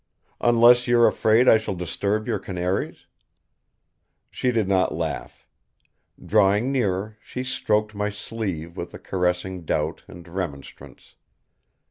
"Unless you are afraid I shall disturb your canaries?" She did not laugh. Drawing nearer, she stroked my sleeve with a caressing doubt and remonstrance.